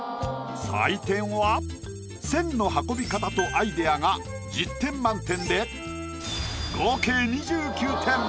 採点は線の運び方とアイディアが１０点満点で合計２９点。